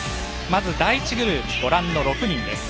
まず第１グループはご覧の６人です。